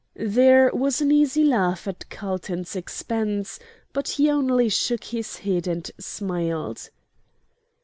There was an easy laugh at Carlton's expense, but he only shook his head and smiled.